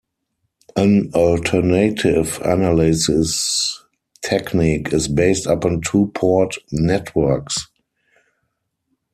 An alternative analysis technique is based upon two-port networks.